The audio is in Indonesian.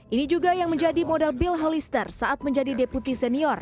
ini juga yang menjadi modal bill holister saat menjadi deputi senior